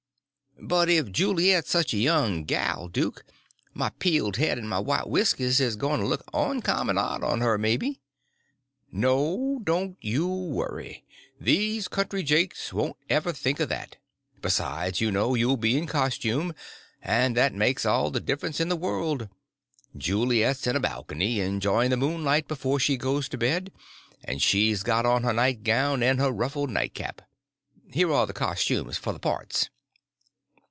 "But if Juliet's such a young gal, duke, my peeled head and my white whiskers is goin' to look oncommon odd on her, maybe." "No, don't you worry; these country jakes won't ever think of that. Besides, you know, you'll be in costume, and that makes all the difference in the world; Juliet's in a balcony, enjoying the moonlight before she goes to bed, and she's got on her night gown and her ruffled nightcap. Here are the costumes for the parts."